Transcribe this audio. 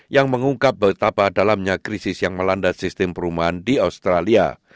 yang mengungkap betapa dalamnya krisis yang melanda sistem perumahan di australia